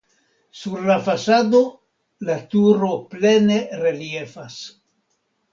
Sur la fasado la turo plene reliefas.